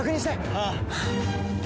ああ！